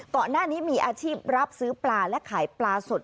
ก่อนหน้านี้มีอาชีพรับซื้อปลาและขายปลาสด